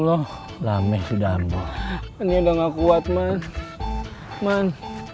lo lames udah ambo ini udah nggak kuat man man